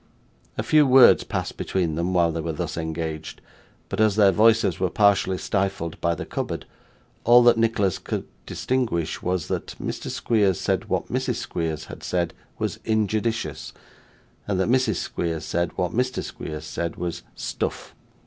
A few words passed between them while they were thus engaged, but as their voices were partially stifled by the cupboard, all that Nicholas could distinguish was, that Mr. Squeers said what Mrs. Squeers had said, was injudicious, and that Mrs. Squeers said what Mr. Squeers said, was 'stuff.